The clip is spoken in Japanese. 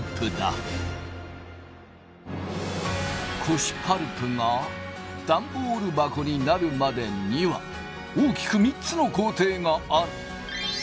古紙パルプがダンボール箱になるまでには大きく３つの工程がある。